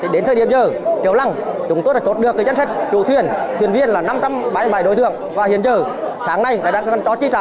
đến thời điểm giờ triều lăng chúng tôi đã chốt đưa cái danh sách chủ thuyền thuyền viên là năm trăm bảy mươi bảy đối tượng và hiện giờ sáng nay đã đang cho trí trả